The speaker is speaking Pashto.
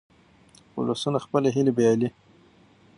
ولسونه خپلې هیلې بایلي.